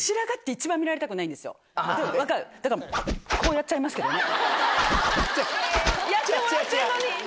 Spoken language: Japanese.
こうやっちゃいますけどね。